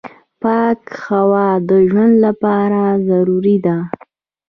پاکه هوا د ژوند لپاره ضروري ده.